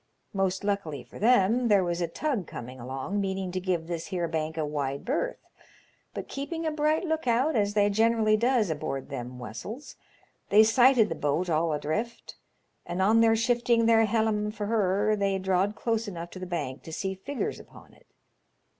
Most luckily for them, there was a tug coming along, meaning to give this here bank a wide berth ; but keeping a bright look out, as they generally does aboard them wessels, they sighted the boat all adrift, and on their shifting their helium for her they drawed close enough to the bank to see figgers upon it.